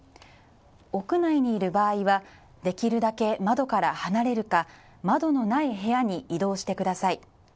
屋内にいる場合はできるだけ窓から離れるか、窓のない部屋に移動してください。